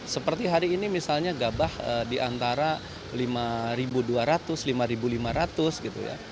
seperti hari ini misalnya gabah diantara rp lima dua ratus rp lima lima ratus gitu ya